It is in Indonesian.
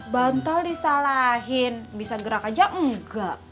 bantal disalahin bisa gerak aja enggak